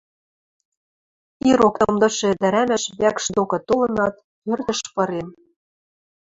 ...Ирок тымдышы ӹдӹрӓмӓш вӓкш докы толынат, пӧртӹш пырен.